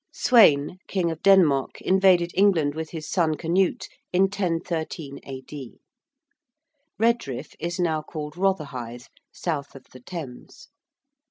~Sweyn~, King of Denmark, invaded England with his son Canute in 1013 A.D. ~Redriff~ is now called Rotherhithe, south of the Thames.